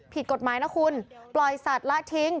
ผิดกฎหมายนะคุณปล่อยสัตว์ละทิ้ง